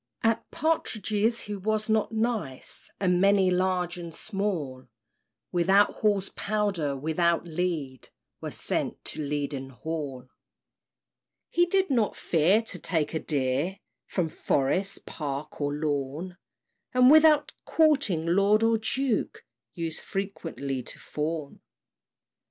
At partridges he was not nice; And many, large and small, Without Hall's powder, without lead, Were sent to Leaden Hall. He did not fear to take a deer From forest, park, or lawn; And without courting lord or duke, Used frequently to fawn.